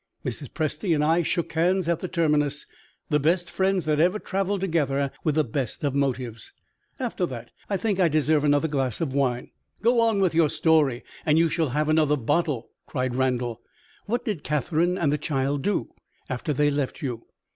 Mrs. Presty and I shook hands at the terminus the best friends that ever traveled together with the best of motives. After that, I think I deserve another glass of wine." "Go on with your story, and you shall have another bottle!" cried Randal. "What did Catherine and the child do after they left you?"